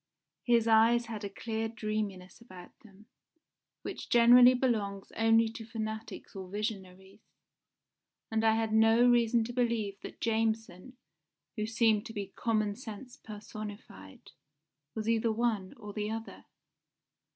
His eyes had a clear dreaminess about them, which generally belongs only to fanatics or visionaries, and I had no reason to believe that Jameson, who seemed to be common sense personified, was either one or the other.